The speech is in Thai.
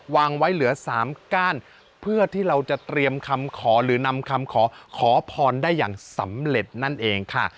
วางไว้เหลือ๓ก้านเพื่อที่เราจะเตรียมคำขอหรือนำคำขอขอพรได้อย่างสำเร็จนั่นเองค่ะ